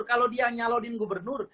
kalau dia nyelodin gubernur